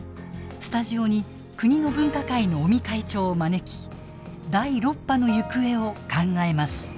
スタジオに国の分科会の尾身会長を招き第６波の行方を考えます。